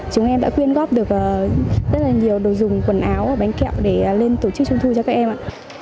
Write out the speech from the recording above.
chúng em đã quyên góp được rất là nhiều đồ dùng quần áo và bánh kẹo để lên tổ chức trung thu cho các em ạ